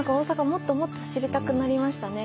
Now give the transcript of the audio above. もっともっと知りたくなりましたね。